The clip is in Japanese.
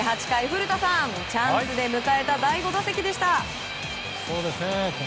古田さん、チャンスで迎えた第５打席でした。